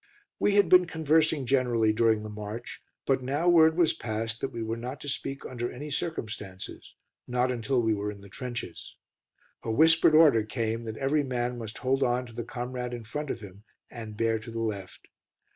We had been conversing generally during the march, but now word was passed that we were not to speak under any circumstances, not until we were in the trenches. A whispered order came that every man must hold on to the comrade in front of him, and bear to the left.